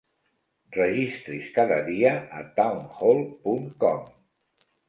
Registri's cada dia a Townhall punt com.